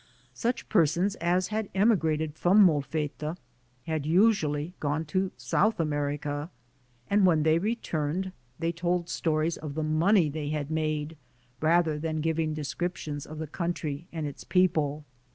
Such persons as had emi grated from Molfetta had usually gone to South America, and when they returned, they told stories of the money they had made rather than giving descrip tions of the country and its people.